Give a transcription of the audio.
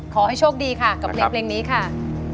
ขอให้โชคดีค่ะกับเพลงนี้ค่ะ